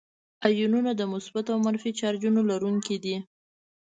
آیونونه د مثبتو او منفي چارجونو لرونکي دي.